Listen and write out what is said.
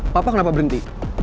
papa kenapa berhenti